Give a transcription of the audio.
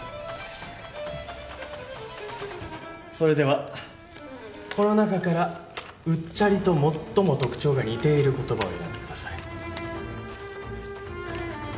それではこの中から「うっちゃり」と最も特徴が似ている言葉を選んでください。